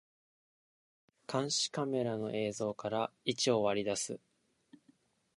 監視カメラの映像から位置を割り出す